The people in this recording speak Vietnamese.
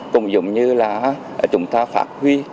cũng giống như là chúng ta phát huy